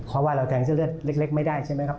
เพราะว่าเราแทงเสื้อเลือดเล็กไม่ได้ใช่ไหมครับ